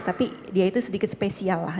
tapi dia itu sedikit spesial lah